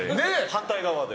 反対側で。